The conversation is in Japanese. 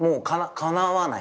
かなわない。